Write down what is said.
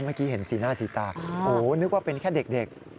เมื่อกี้เห็นสีหน้าสีตาโอ้นึกว่าเป็นแค่เด็ก